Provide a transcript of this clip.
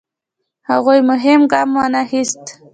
هغوی مهم ګام وانخیست.